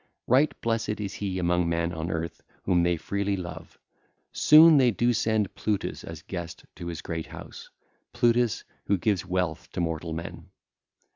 Right blessed is he among men on earth whom they freely love: soon they do send Plutus as guest to his great house, Plutus who gives wealth to mortal men.